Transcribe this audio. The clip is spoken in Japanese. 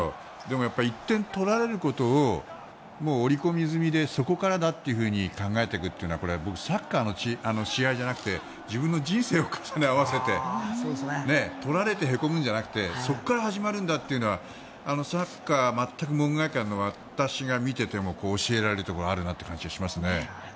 やっぱり１点取られることを織り込み済みでそこからだって考えていくのは僕、サッカーの試合じゃなくて自分の人生を重ね合わせてとられてへこむんじゃなくてそこから始まるんだというのはサッカー全く門外漢の私が見ていても私が教えられるところがあるなという感じがしますね。